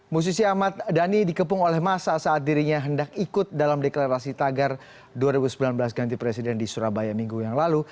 musisi ahmad dhani dikepung oleh masa saat dirinya hendak ikut dalam deklarasi tagar dua ribu sembilan belas ganti presiden di surabaya minggu yang lalu